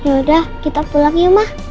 yaudah kita pulang ya ma